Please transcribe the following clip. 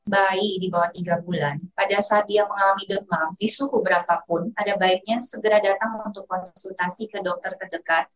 bayi di bawah tiga bulan pada saat dia mengalami demam di suhu berapapun ada baiknya segera datang untuk konsultasi ke dokter terdekat